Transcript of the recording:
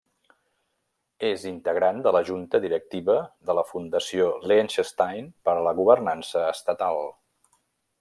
És integrant de la Junta Directiva de la Fundació Liechtenstein per a la Governança estatal.